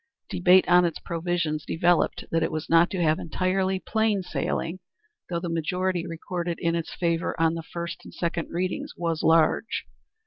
Debate on its provisions developed that it was not to have entirely plain sailing, though the majority recorded in its favor on the first and second readings was large.